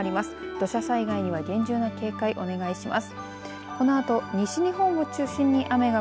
土砂災害には厳重な警戒をお願いします。